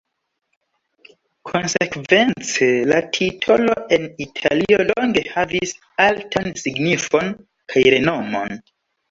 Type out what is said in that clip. Konsekvence, la titolo en Italio longe havis altan signifon kaj renomon.